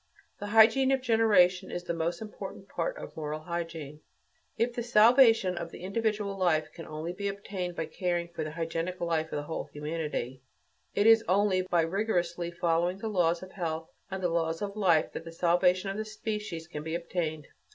The hygiene of generation is the most important part of moral hygiene. If the salvation of the individual life can only be obtained by caring for the hygienic life of the whole of humanity, it is only by rigorously following the laws of health and the laws of life that the salvation of the species can be obtained.